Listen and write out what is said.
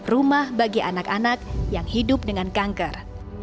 rumah bagi anak anak yang hidup dengan kanker